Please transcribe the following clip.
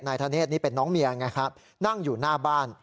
ธเนธนี่เป็นน้องเมียไงครับนั่งอยู่หน้าบ้าน